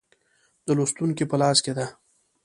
د لوستونکو په لاس کې ده.